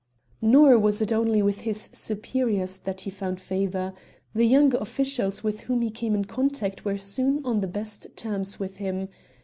Nor was it only with his superiors that he found favor; the younger officials with whom he came in contact were soon on the best terms with him.